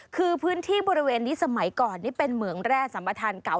คือพื้นที่บริเวณนี้สมัยก่อนนี่เป็นเหมืองแร่สัมประธานเก่า